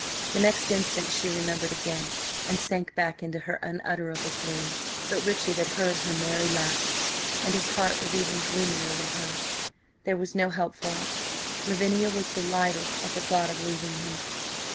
The next instant she remembered again, and sank back into unutterable gloom. But Richard had heard her merry laugh, and his heart was even gloomier than hers. There was no help for it: Lavinia was delighted at the thought of leaving him.